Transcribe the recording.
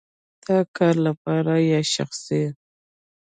د کار لپاره یا شخصی؟